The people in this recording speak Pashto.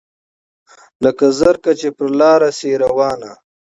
لکه زرکه چي پر لاره سي روانه